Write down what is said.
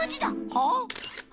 はあ？